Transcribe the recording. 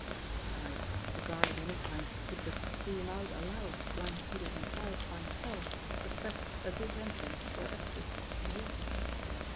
Besides, a guard of any kind would but scream out aloud to Blind Peter's entire clientele the fact that this en trance, or exit, existed.